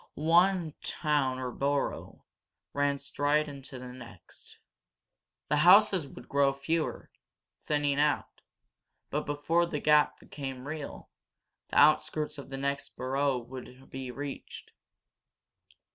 One town or borough ran right into the next. The houses would grow fewer, thinning out, but before the gap became real, the outskirts of the next borough would be reached.